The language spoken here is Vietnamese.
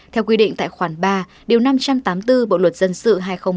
theo quy định tại khoản ba điều năm trăm tám mươi bốn bộ luật dân sự hai nghìn một mươi năm